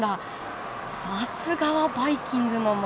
さすがはバイキングの末裔。